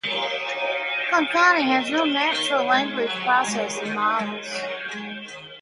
Konkani has no natural language processing models.